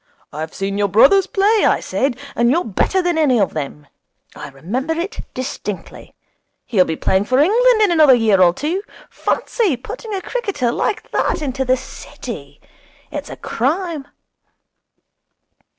"I've seen your brothers play," I said, "and you're better than any of them." I remember it distinctly. He'll be playing for England in another year or two. Fancy putting a cricketer like that into the City! It's a crime.'